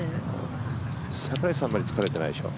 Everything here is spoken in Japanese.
櫻井さんはあまり疲れていないでしょ？